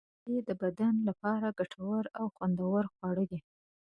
مستې د بدن لپاره ګټورې او خوندورې خواړه دي.